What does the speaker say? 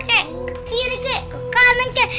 ke kiri ke kanan ke